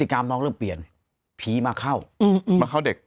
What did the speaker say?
กรรมมองเริ่มเปลี่ยนผีมาเข้ามาเข้าเด็ก